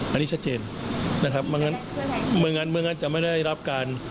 อันนี้ชัดเจนนะครับไม่งั้นไม่งั้นเมืองนั้นจะไม่ได้รับการ